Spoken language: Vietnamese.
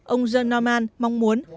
ông joel norman mong muốn